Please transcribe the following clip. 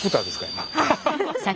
今。